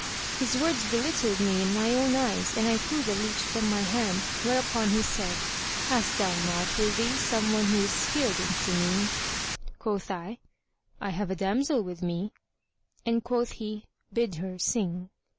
His words belittled me in mine own eyes and I threw the lute from my hand, whereupon he said, "Hast thou not with thee some one who is skilled in singing?" Quoth I, "I have a damsel with me;" and quoth he "Bid her sing."